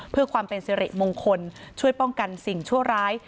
เพื่อความเป็นสิริมงคลช่วยป้องกันสิ่งชั่วร้าย